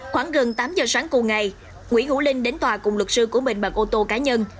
khoảng gần tám giờ sáng cùng ngày nguyễn hữu linh đến tòa cùng luật sư của mình bằng ô tô cá nhân